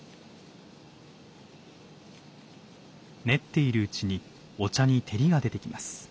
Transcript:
練っているうちにお茶に照りが出てきます。